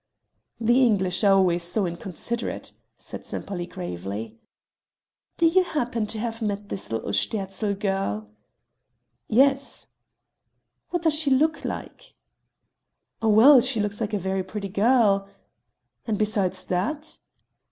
"The English are always so inconsiderate," said Sempaly gravely. "Do you happen to have met this little Sterzl girl?" "Yes." "What does she look like?" "Well, she looks like a very pretty girl...." "And besides that?"